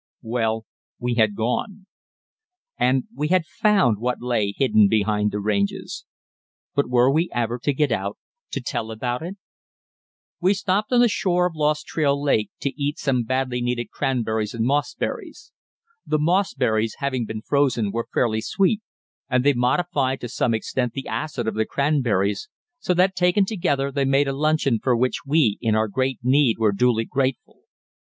Well, we had gone. And we had found what lay hidden behind the ranges. But were we ever to get out to tell about it? We stopped on the shore of Lost Trail Lake to eat some badly needed cranberries and mossberries. The mossberries, having been frozen, were fairly sweet, and they modified, to some extent, the acid of the cranberries, so that taken together they made a luncheon for which we, in our great need, were duly grateful.